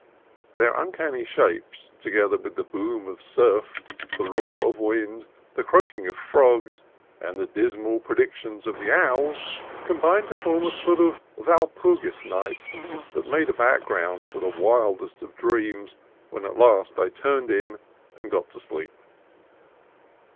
Their uncanny shapes, together with the boom of surf, the roar of wind, the croaking of frogs, and the dismal predic tions of the owls, combined to form a sort of Walpur gis Night, that made a background for the wild est of dreams when at last I turned in and got to sleep.